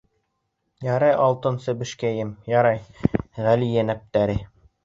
— Ярай, Алтын себешкәйем, ярай, ғәли йәнәптәре...